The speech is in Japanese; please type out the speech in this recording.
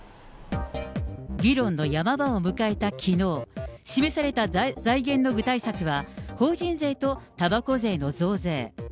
議論のヤマ場を迎えたきのう、示された財源の具体策は、法人税とたばこ税の増税。